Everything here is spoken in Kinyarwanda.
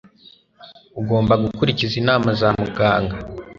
Ugomba gukurikiza inama za muganga.